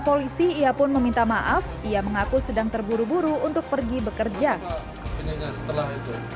polisi ia pun meminta maaf ia mengaku sedang terburu buru untuk pergi bekerja setelah itu